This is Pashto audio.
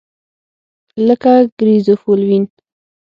لکه ګریزوفولوین.